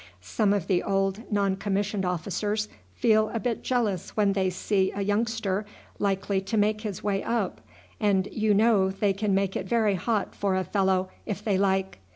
Some of the old non commissioned officers feel a bit jealous when they see a youngster likely to make his way up, and you know they can make it very hot for a fellow if they like.